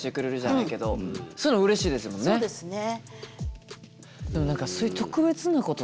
そうですね。